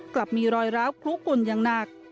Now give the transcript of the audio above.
กลับมีรอยร้าวคลุกลุ่นอย่างหนัก